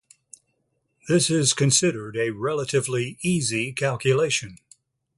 This is considered a relatively easy calculation.